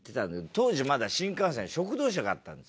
当時まだ新幹線食堂車があったんですよ。